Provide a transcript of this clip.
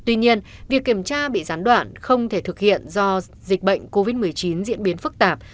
tuy nhiên việc kiểm tra bị gián đoạn không thể thực hiện do dịch bệnh covid một mươi chín diễn biến phức tạp